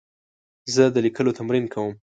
زه د لیکلو تمرین کوم.